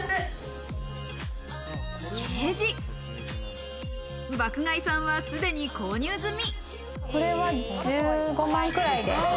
ケージ。爆買いさんはすでに購入済み。